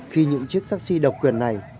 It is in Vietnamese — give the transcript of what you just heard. khi những chiếc taxi độc quyền này